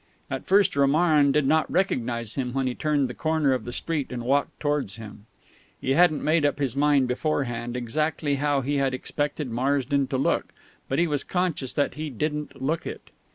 At first Romarin did not recognise him when he turned the corner of the street and walked towards him. He hadn't made up his mind beforehand exactly how he had expected Marsden to look, but he was conscious that he didn't look it.